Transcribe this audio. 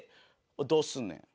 「どうすんねん？